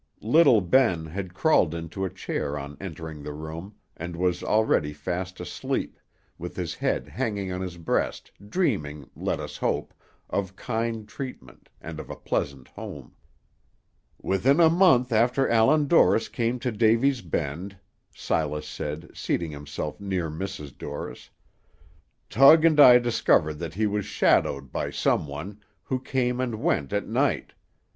Little Ben had crawled into a chair on entering the room, and was already fast asleep, with his head hanging on his breast, dreaming, let us hope, of kind treatment, and of a pleasant home. "Within a month after Allan Dorris came to Davy's Bend," Silas said, seating himself near Mrs. Dorris, "Tug and I discovered that he was shadowed by some one, who came and went at night.